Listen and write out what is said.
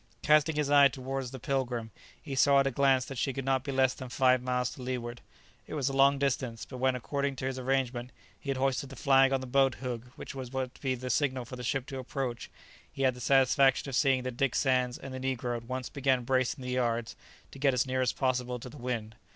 Casting his eye towards the "Pilgrim," he saw at a glance that she could not be less than five miles to leeward. It was a long distance, but when, according to his arrangement, he had hoisted the flag on the boat hook which was to be the signal for the ship to approach, he had the satisfaction of seeing that Dick Sands and the negroes at once began bracing the yards to get as near as possible to the wind.